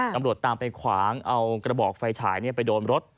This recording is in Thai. ตำรวจตามไปขวางเอากระบอกไฟฉายไปโดนรถ